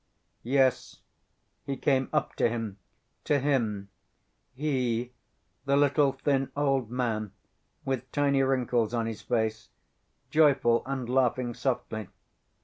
Yes, he came up to him, to him, he, the little, thin old man, with tiny wrinkles on his face, joyful and laughing softly.